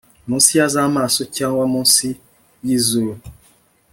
Munsi yzamaso cyangwa munsi yizuru